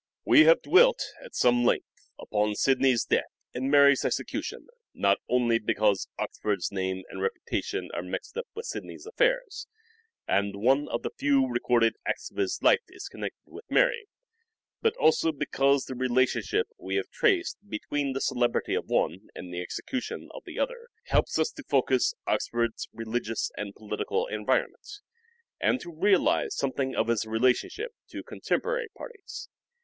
We have dwelt at some length upon Sidney's death oxford under and Mary's execution not only because Oxford's name a shadow and reputation are mixed up with Sidney's affairs, and one of the few recorded acts of his life is connected with Mary, but also because the relationship we have traced between the celebrity of one and the execution of the other helps us to focus Oxford's religious and political environment, and to realize something of his relationship to contemporary parties.